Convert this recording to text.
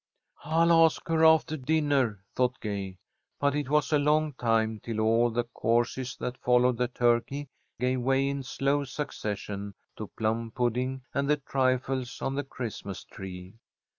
"I'll ask her after dinner," thought Gay. But it was a long time till all the courses that followed the turkey gave way in slow succession to plum pudding and the trifles on the Christmas tree.